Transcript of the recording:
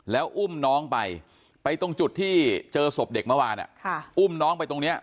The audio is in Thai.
แล้วอุ้มน้องไปไปตรงจุดที่เจอศพเด็กเมื่อวานอุ้มน้องไปตรงนี้